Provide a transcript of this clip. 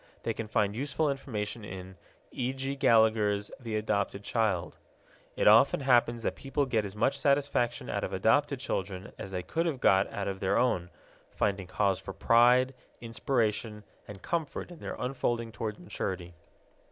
They can find useful information in E. G. Gallagher's The Adopted Child. It often happens that people get as much satisfaction out of adopted children as they could have got out of their own, finding cause for pride, inspiration, and comfort in their unfolding toward maturity.